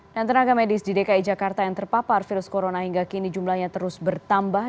dan tenaga medis di dki jakarta yang terpapar virus corona hingga kini jumlahnya terus bertambah